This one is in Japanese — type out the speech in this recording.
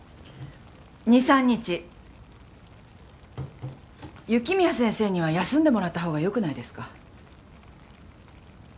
２３日雪宮先生には休んでもらったほうがよくないですか？